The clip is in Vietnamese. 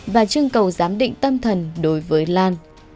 và chương cầu giám định tâm thần đối với lan